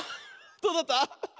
どうだった？